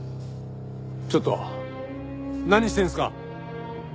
ちょっと何してんすか！